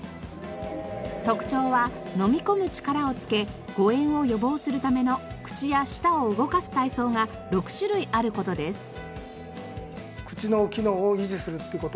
特徴は飲み込む力をつけ誤嚥を予防するための口や舌を動かす体操が６種類ある事です。